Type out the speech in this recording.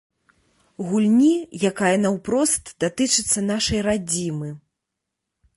Гульні, якая наўпрост датычыцца нашай радзімы.